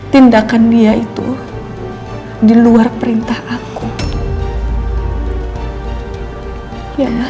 tindakan dia itu diluar perintah aku ya bisa ya ma